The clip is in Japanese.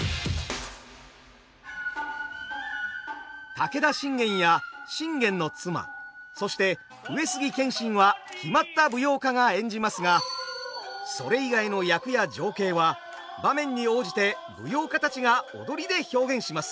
武田信玄や信玄の妻そして上杉謙信は決まった舞踊家が演じますがそれ以外の役や情景は場面に応じて舞踊家たちが踊りで表現します。